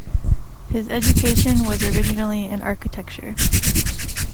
His education was originally in architecture.